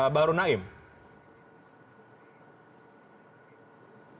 ada informasi bahwa ini merupakan jaringan kuat dari bn